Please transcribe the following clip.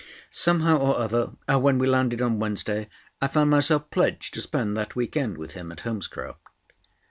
Somehow or other, when we landed on Wednesday, I found myself pledged to spend that week end with him at Holmescroft.